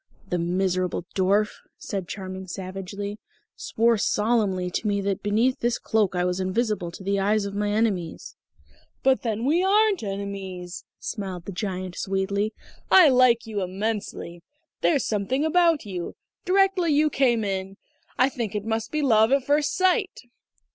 "That miserable dwarf," said Charming savagely, "swore solemnly to me that beneath this cloak I was invisible to the eyes of my enemies!" "But then we aren't enemies," smiled the Giant sweetly. "I like you immensely. There's something about you directly you came in.... I think it must be love at first sight."